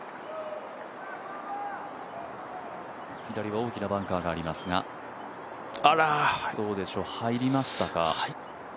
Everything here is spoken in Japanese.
左が大きなバンカーがありますがどうでしょう、入りましたか？